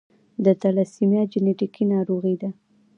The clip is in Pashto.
د تالاسیمیا جینیټیکي ناروغي ده.